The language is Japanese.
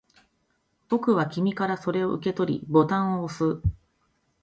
僕は君からそれを受け取り、ボタンを押す